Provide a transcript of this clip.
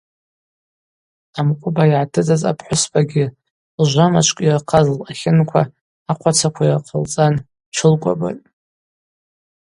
Амкъвыба йгӏатыцӏыз апхӏвыспагьи лжвамачвкӏ йырхъаз лъатлынква ахъвацаква йырхъалцӏан тшылкӏвабатӏ.